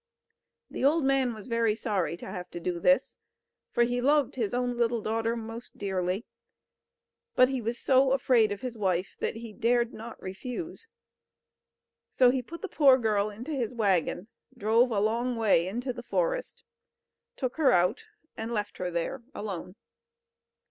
The old man was very sorry to have to do this; for he loved his own little daughter most dearly. But he was so afraid of his wife that he dared not refuse; so he put the poor girl into his waggon, drove a long way into the forest, took her out, and left her there alone.